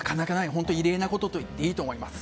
本当に異例なことと言っていいと思います。